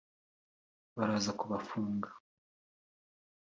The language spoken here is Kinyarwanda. baraza kubafunga